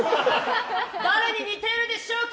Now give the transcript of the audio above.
誰に似ているでしょうか？